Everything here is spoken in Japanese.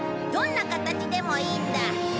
どんな形でもいいんだ。